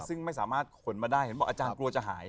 ซึ่งไม่สามารถขนมาได้เห็นบอกอาจารย์กลัวจะหาย